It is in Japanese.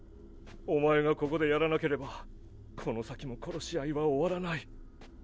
お前がここでやらなければこの先も殺し合いは終わらない。